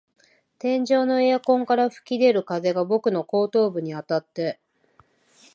天井のエアコンから吹き出る風が僕の後頭部にあたって、